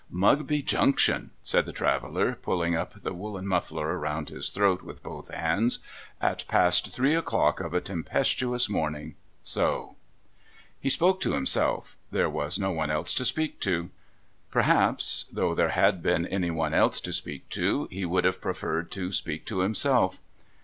' Mugl)y Junction !' said the traveller, pulling up the woollen muttler round his throat with hoth hands. ' At past three o'clock of a tempestuous morning ! So !' He spoke to himself. There was no one else to speak to. Perhaps, though there had been any one else to speak to, he would have preferred to speak to himself.